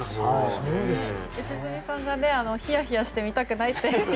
良純さんがヒヤヒヤして見たくないって。